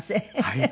はい。